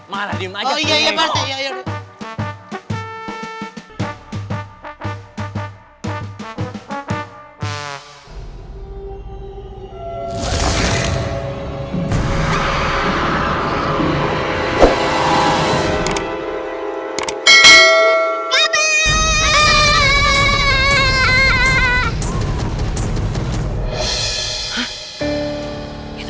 malah diem aja pake ego